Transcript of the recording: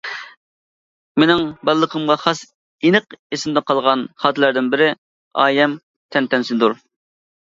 مېنىڭ بالىلىقىمغا خاس ئېنىق ئېسىمدە قالغان خاتىرىلەردىن بىرى ئايەم تەنتەنىسىدۇر.